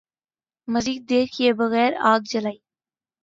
مزید دیر کئے بغیر آگ جلائی